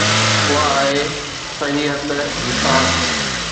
اها آهي صحيحيت جي سائنس.